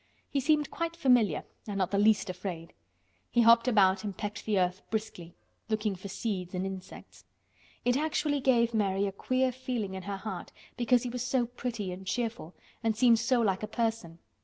He seemed quite familiar and not the least afraid. He hopped about and pecked the earth briskly, looking for seeds and insects. It actually gave Mary a queer feeling in her heart, because he was so pretty and cheerful and seemed so like a person.